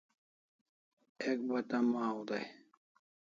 Ek bata mau dai